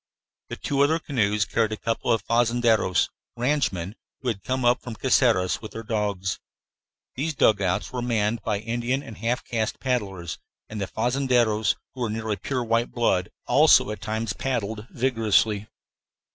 The other canoes carried a couple of fazendeiros, ranchmen, who had come up from Caceres with their dogs. These dugouts were manned by Indian and half caste paddlers, and the fazendeiros, who were of nearly pure white blood, also at times paddled vigorously.